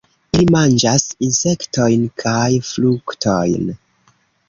Ili manĝas insektojn kaj fruktojn.